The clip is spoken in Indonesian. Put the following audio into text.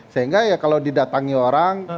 sehingga ya kalau didatangi orang